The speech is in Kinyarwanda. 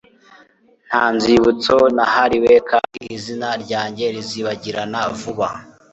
Nta nzibutso nahariwe kandi izina ryanjye rizibagirana vuba,